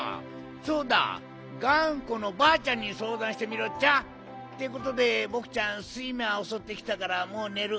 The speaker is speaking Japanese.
そうだがんこのばあちゃんにそうだんしてみるっちゃ。ってことでぼくちゃんすいまおそってきたからもうねる。